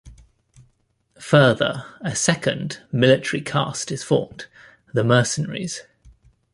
Further, a second, military caste is formed: the Mercenaries.